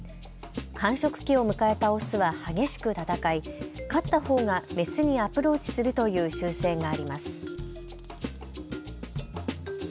繁殖期を迎えた雄は激しく戦い、勝ったほうが雌にアプローチするという習性があります。